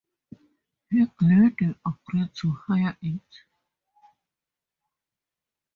He gladly agreed to hire it.